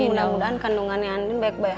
jadi mudah mudahan kandungannya andien baik baik aja